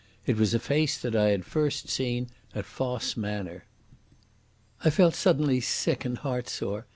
It was a face that I had first seen at Fosse Manor. I felt suddenly sick and heartsore.